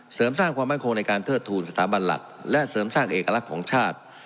เสริมสร้างความมั่นคงในการเทิดทูลสถาบันหลักและเสริมสร้างเอกลักษณ์ของชาติ